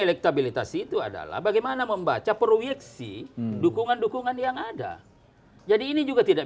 elektabilitas itu adalah bagaimana membaca proyeksi dukungan dukungan yang ada jadi ini juga tidak